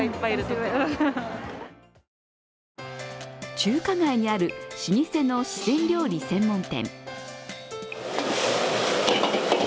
中華街にある老舗の四川料理専門店。